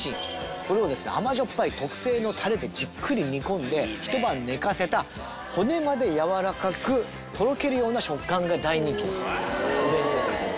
これをですね甘じょっぱい特製のタレでじっくり煮込んでひと晩寝かせた骨までやわらかくとろけるような食感が大人気のお弁当という事で。